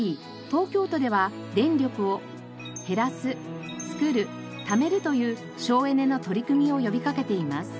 東京都では電力を「へらすつくるためる」という省エネの取り組みを呼びかけています。